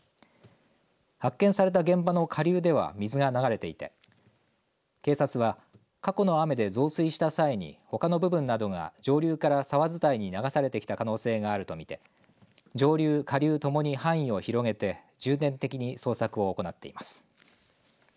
発見された現場の下流では水が流れていて警察は、過去の雨で増水した際にほかの部分などが上流から沢伝いに流されてきた可能性があると見て上流、下流ともに範囲を広げて重点的に捜索を行っています。